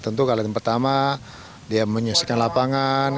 tentu kalau yang pertama dia menyaksikan lapangan